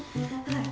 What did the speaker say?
はい。